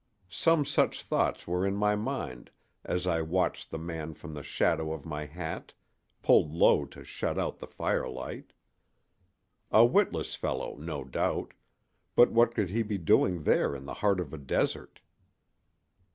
Some such thoughts were in my mind as I watched the man from the shadow of my hat, pulled low to shut out the firelight. A witless fellow, no doubt, but what could he be doing there in the heart of a desert?